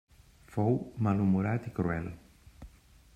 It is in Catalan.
Fou malhumorat i cruel.